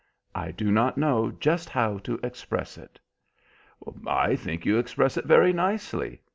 I do not know just how to express it." "I think you express it very nicely.